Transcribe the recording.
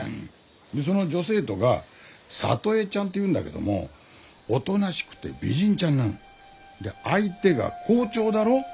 でその女生徒が里江ちゃんっていうんだけどもおとなしくて美人ちゃんなの。で相手が校長だろう？